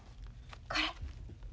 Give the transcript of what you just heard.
これ。